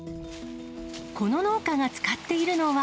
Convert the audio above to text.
この農家が使っているのは。